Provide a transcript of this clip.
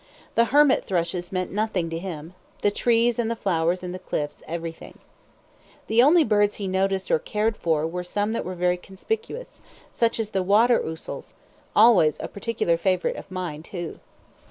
The hermit thrushes meant nothing to him, the trees and the flowers and the cliffs everything. The only birds he noticed or cared for were some that were very conspicuous, such as the water ousels always particular favorites of mine too.